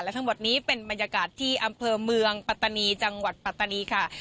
ทั้งหมดนี้เป็นบรรยากาศที่อำเภอเมืองปัตตานีจังหวัดปัตตานีค่ะ